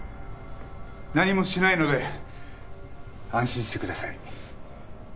何もしないので安心してください。